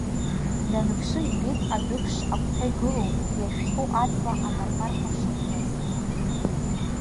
Даныԥшы ибеит, адәыԥш агәҭа игылоу иажәхьоу аҵла апарпарқәа шықәтәаз.